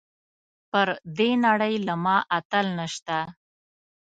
پر دې نړۍ له ما اتل نشته .